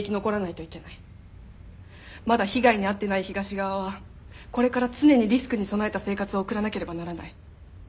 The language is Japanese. まだ被害に遭ってない東側はこれから常にリスクに備えた生活を送らなければならない。